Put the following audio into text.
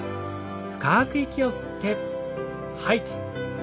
深く息を吸って吐いて。